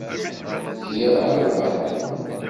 Giɣ arba.